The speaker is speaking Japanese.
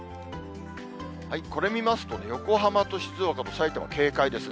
これ見ますと、横浜と静岡とさいたまは警戒ですね。